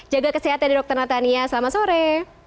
jaga kesehatan dr natania selamat sore